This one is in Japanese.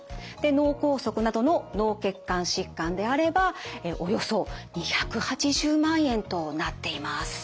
脳梗塞などの脳血管疾患であればおよそ２８０万円となっています。